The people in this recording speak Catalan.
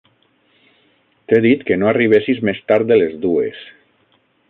T'he dit que no arribessis més tard de les dues.